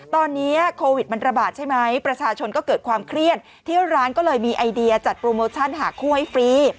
ตอนนี้โควิดมันระบาดใช่ไหมประชาชนก็เกิดความเครียดที่ร้านก็เลยมีไอเดียจัดโปรโมชั่นหาคู่ให้ฟรี